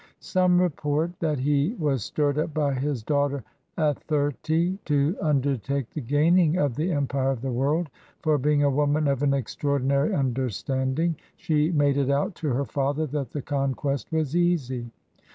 Some report that he was stirred up by his daughter Athyrte to under take the gaining of the empire of the world; for, being a woman of an extraordinary imderstanding, she made it out to her father that the conquest was easy.